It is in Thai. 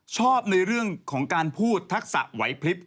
ในเรื่องของการพูดทักษะไหวพลิบ